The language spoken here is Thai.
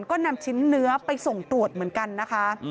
ก็นำชิ้นเนื้อไปส่งตรวจเหมือนกันนะคะ